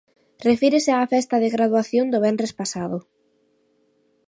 Refírese á festa de graduación do venres pasado.